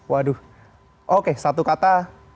waduh oke satu kata